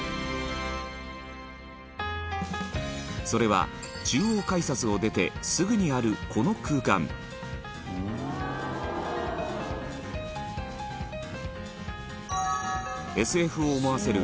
それは、中央改札を出てすぐにある、この空間ＳＦを思わせる